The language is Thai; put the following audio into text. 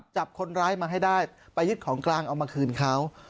จับคนร้ายมาให้ได้ไปยึดของกลางเอามาคืนเขา